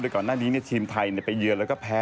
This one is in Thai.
ก่อนหน้านี้ทีมไทยไปเยือนแล้วก็แพ้